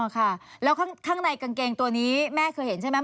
ค่ะแล้วข้างในกางเกงตัวนี้แม่เคยเห็นใช่ไหม